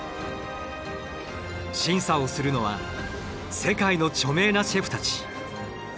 審査をするのは世界の著名なシェフたち。